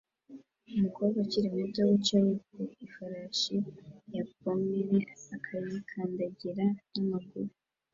Umukobwa ukiri muto wicaye ku ifarashi ya pommel akayikandagira n'amaguru